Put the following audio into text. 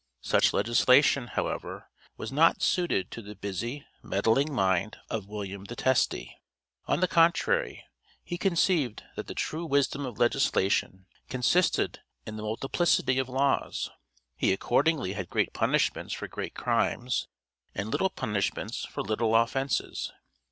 Such legislation, however, was not suited to the busy, meddling mind of William the Testy. On the contrary, he conceived that the true wisdom of legislation consisted in the multiplicity of laws. He accordingly had great punishments for great crimes, and little punishments for little offences.